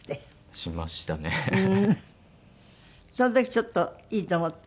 その時ちょっといいと思った？